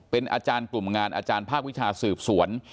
เป็นอาจารย์กลุ่มงานอาจารย์ภาควิชาสืบสวน